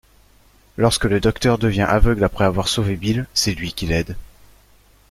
Lorsque le Docteur devient aveugle après avoir sauvé Bill, c'est lui qui l'aide.